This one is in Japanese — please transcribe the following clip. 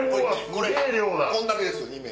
これだけです２名！